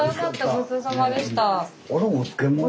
ごちそうさまでした。